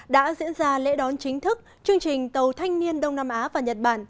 đã diễn ra lễ đón chính thức chương trình tàu thanh niên đông nam á và nhật bản